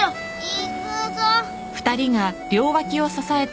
行くぞ。